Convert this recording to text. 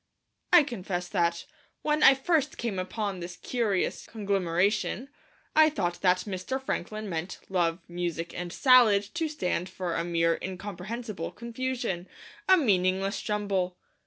I confess that, when first I came upon this curious conglomeration, I thought that Mr. Franklin meant Love, Music, and Salad to stand for a mere incomprehensible confusion, a meaningless jumble.